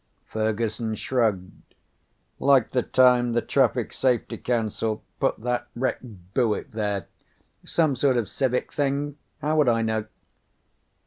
Fergusson shrugged. "Like the time the Traffic Safety Council put that wrecked Buick there. Some sort of civic thing. How would I know?"